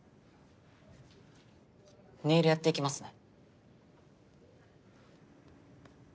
ネイルやっていきますね。